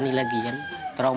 dia lagi sekolah lagi